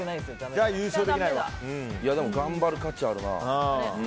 でも頑張る価値はあるな。